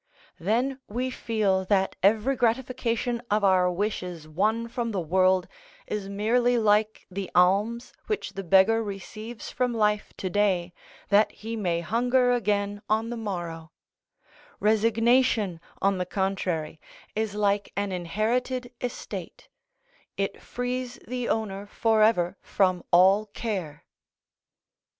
Then we feel that every gratification of our wishes won from the world is merely like the alms which the beggar receives from life to day that he may hunger again on the morrow; resignation, on the contrary, is like an inherited estate, it frees the owner for ever from all care.